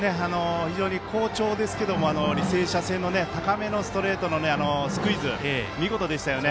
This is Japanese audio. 非常に好調ですけども履正社戦の高めのストレートのスクイズ、見事でしたよね。